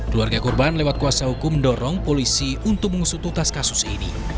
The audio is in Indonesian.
keluarga kurban lewat kuasa hukum mendorong polisi untuk mengusututas kasus ini